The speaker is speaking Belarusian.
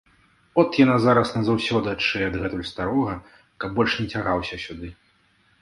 От яна зараз назаўсёды адшые адгэтуль старога, каб больш не цягаўся сюды.